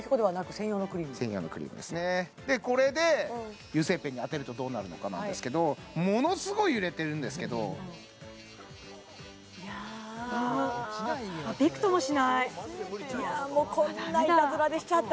専用のクリームですねでこれで油性ペンに当てるとどうなるのかなんですけどものすごい揺れてるんですけどびくともしないもうこんなイタズラでしちゃった